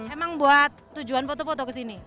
emang buat tujuan foto foto kesini